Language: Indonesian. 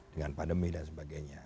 dengan pandemi dan sebagainya